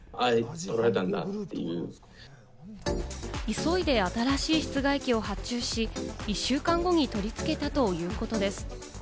急いで新しい室外機を発注し、１週間後に取り付けたということです。